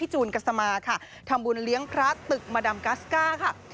พี่จูนกัสมาค่ะธรรมบุญเลี้ยงพระตึกมาดามกาสก้าค่ะ